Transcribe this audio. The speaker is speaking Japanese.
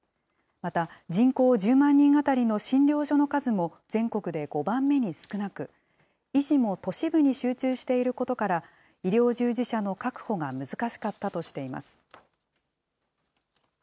また、人口１０万人当たりの診療所の数も全国で５番目に少なく、医師も都市部に集中していることから、医療従事者の確保が難しかったとしています。